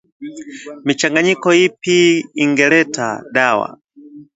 michanganyiko ipi ingeleta dawa